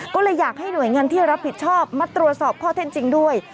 ก็เลยอยากให้หน่วยงานที่รับผิดชอบมาตรวจสอบข้อเท็จจริงด้วย